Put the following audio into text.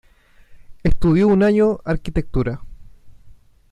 Estudió un año arquitectura.